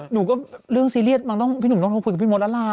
หนูก็เรื่องซีเรียสหนูต้องคุยกับมดแล้วลา